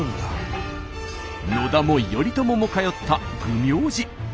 野田も頼朝も通った弘明寺。